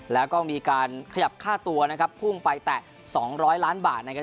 แล้วก็มีการขยับค่าตัวนะครับพุ่งไปแตะ๒๐๐ล้านบาทนะครับ